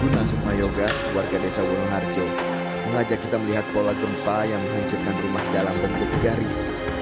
duna sukmayoga warga desa wonoharjo mengajak kita melihat pola gempa yang menghancurkan rumah dalam bentuk garis